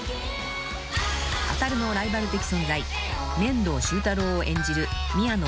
［あたるのライバル的存在面堂終太郎を演じる］